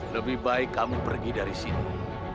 lebih baik kamu pergi dari sini